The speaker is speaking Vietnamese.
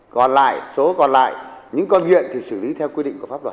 còn lại số còn lại những con nghiện thì xử lý theo quy định của pháp luật